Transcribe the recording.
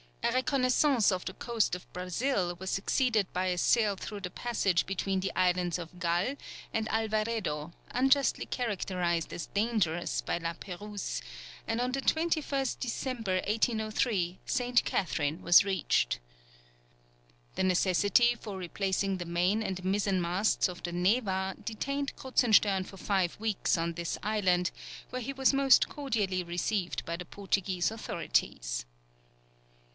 A reconnaissance of the coast of Brazil was succeeded by a sail through the passage between the islands of Gal and Alvaredo, unjustly characterized as dangerous by La Pérouse, and on the 21st December, 1803, St. Catherine was reached. The necessity for replacing the main and mizzen masts of the Neva detained Kruzenstern for five weeks on this island, where he was most cordially received by the Portuguese authorities.